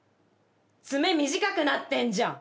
爪短くなってんじゃん。